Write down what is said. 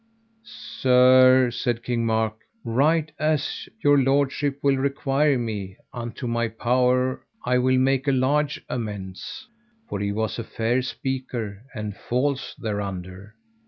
Sir, said King Mark, right as your lordship will require me, unto my power, I will make a large amends. For he was a fair speaker, and false thereunder.